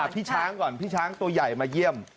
พี่ช้างก่อนพี่ช้างตัวใหญ่มาเยี่ยม